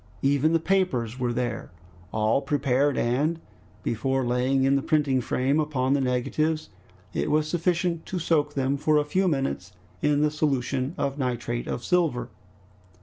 Even the papers were there, all prepared, and before laying in the printing frame upon the negatives, it was sufficient to soak them for a few minutes in the solution of nitrate of silver.